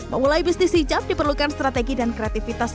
memulai bisnis hijab diperlukan strategi dan kreativitas